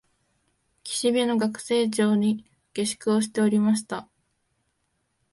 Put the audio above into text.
岸辺の学生町に下宿しておりました